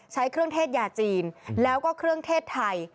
ใช้เครื่องเทศยาจีนแล้วก็เครื่องเทศไทย